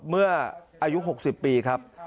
เมื่ออายุ๖๐ปีครับ